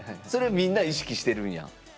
それみんな意識してるんや。